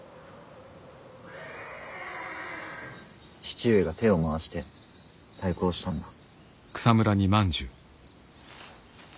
父上が手を回して細工をしたんだ。